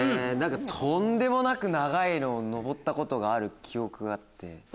とんでもなく長いの上ったことがある記憶があって。